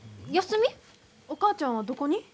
お母ちゃんはどこに？